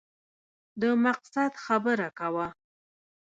د مقصد خبره کوه !